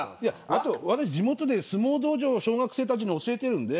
地元で相撲道場を小学生たちに教えてるんで。